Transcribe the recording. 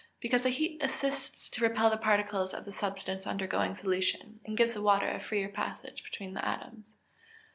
_ Because the heat assists to repel the particles of the substance undergoing solution, and gives the water a freer passage between the atoms.